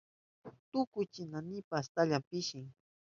Tukuchinaynipa astalla pishin.